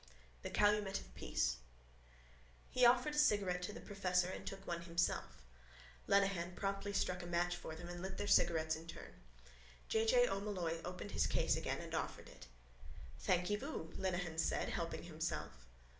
THE CALUMET OF PEACE He offered a cigarette to the professor and took one himself. Lenehan promptly struck a match for them and lit their cigarettes in turn. J. J. O'Molloy opened his case again and offered it. —Thanky vous, Lenehan said, helping himself.